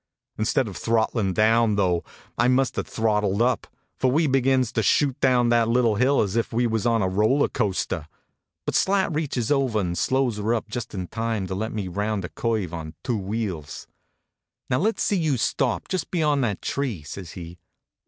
Instead of throttlin down, though, I must have throttled up; for we begins to shoot down that little hill as if we was on a roller coaster. But Slat reaches over and slows her up just in time to let me round a curve on two wheels. " Now let s see you stop just beyond that tree," says he.